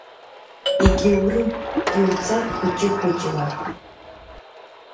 Егьаурым, иуҵап хәыҷы-хәыҷла.